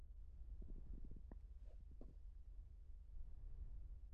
It was also noted that President Rafael Correa may have known about Hurtado.